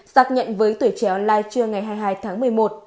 xác nhận với tuổi trẻ online trưa ngày hai mươi hai tháng một mươi một